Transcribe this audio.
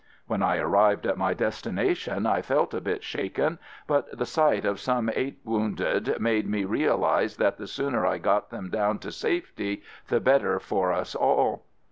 When I arrived at my destination I felt a bit shaken, but the sight of some eight wounded made me real ize that the sooner I got them down to safety the better for us all.